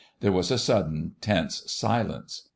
There was a sudden tense silence.